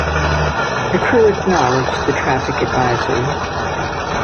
The crew acknowledged the traffic advisory.